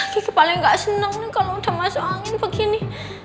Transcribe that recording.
gitu paling gak seneng nih kalau udah masuk angin begini